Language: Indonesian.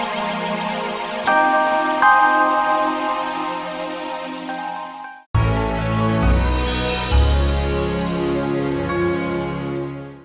bersambung dengan tayang di jatah